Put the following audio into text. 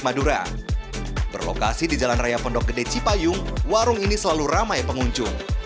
madura berlokasi di jalan raya pondok gede cipayung warung ini selalu ramai pengunjung